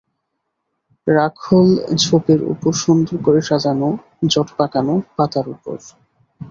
রাখল ঝোপের ওপর সুন্দর করে সাজানো জট পাকানো পাতার ওপর।